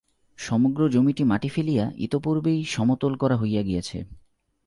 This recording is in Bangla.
সমগ্র জমিটি মাটি ফেলিয়া ইতঃপূর্বেই সমতল করা হইয়া গিয়াছে।